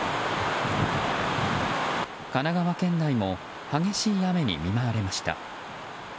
神奈川県内も激しい雨に見舞われました。